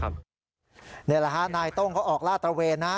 นี่แหละฮะนายต้งเขาออกลาดตระเวนนะ